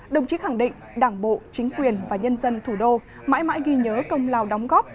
đồng chí khẳng định đảng bộ chính quyền và nhân dân thủ đô mãi mãi ghi nhớ công lao đóng góp